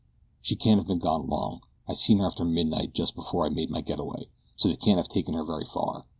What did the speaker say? "She can't have been gone long. I seen her after midnight, just before I made my getaway, so they can't have taken her very far.